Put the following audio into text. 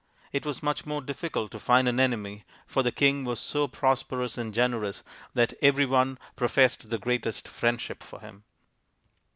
It was much more difficult to find an enemy, for the king was so prosperous and generous that every one professed the greatest friendship for him.